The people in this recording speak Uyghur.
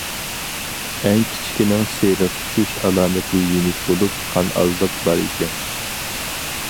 ئەڭ كىچىكىنىڭ سېرىق چۈشۈش ئالامىتى يېنىك بولۇپ، قان ئازلىق بار ئىكەن.